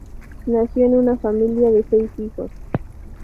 Nació en una familia de seis hijos.